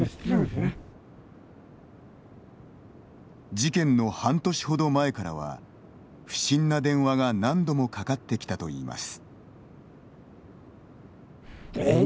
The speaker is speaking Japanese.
事件の半年ほど前からは不審な電話が何度もかかってきたといいます。